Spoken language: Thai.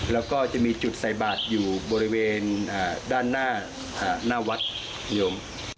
แล้วก็จะมีจุดใส่บาทอยู่บริเวณด้านหน้าวัดโยม